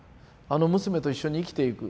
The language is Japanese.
あの娘と一緒に生きていく。